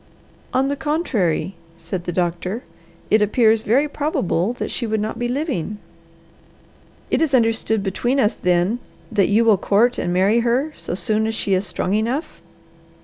"On the contrary," said the doctor, "it appears very probable that she would not be living." "It is understood between us, then, that you will court and marry her so soon as she is strong enough?"